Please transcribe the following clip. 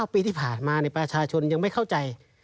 ปีที่ผ่านมาประชาชนยังไม่เข้าใจ